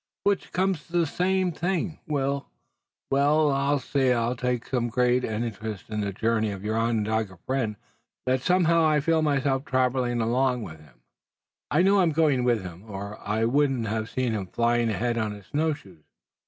"Which comes to the same thing. Well, we'll see. I take so great an interest in the journey of your Onondaga friend that somehow I feel myself traveling along with him." "I know I'm going with him or I wouldn't have seen him flying ahead on his snow shoes.